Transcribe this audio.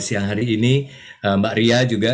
siang hari ini mbak ria juga